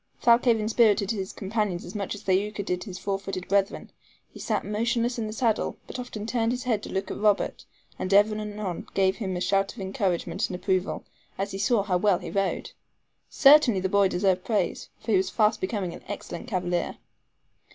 Thalcave inspirited his companions as much as Thaouka did his four footed brethren. He sat motionless in the saddle, but often turned his head to look at Robert, and ever and anon gave him a shout of encouragement and approval, as he saw how well he rode. Certainly the boy deserved praise, for he was fast becoming an excellent cavalier.